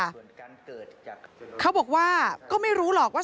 มันมีโอกาสเกิดอุบัติเหตุได้นะครับ